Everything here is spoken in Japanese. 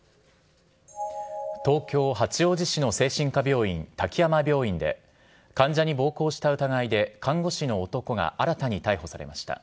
東京・八王子市の精神科病院、滝山病院で、患者に暴行した疑いで、看護師の男が新たに逮捕されました。